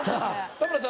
田村さん